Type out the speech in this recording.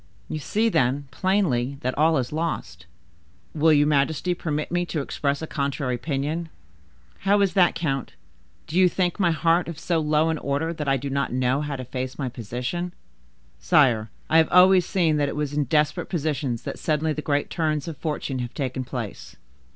You see, then, plainly, that all is lost." "Will your majesty permit me to express a contrary opinion?" "How is that, count? Do you think my heart of so low an order that I do not know how to face my position?" "Sire, I have always seen that it was in desperate positions that suddenly the great turns of fortune have taken place."